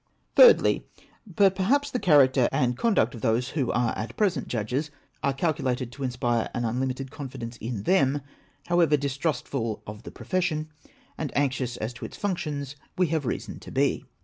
Thirdly, But perhaps the character and conduct of those 474 APPENDIX XIX. who are at present Judges are calculated to inspire an un limited confidence in the')n, however distrustful of the pro fession, and anxious as to its functions, we have reason to be.